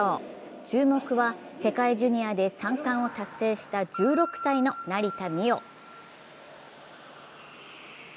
注目は世界ジュニアで３冠を達成した１６歳の成田実生。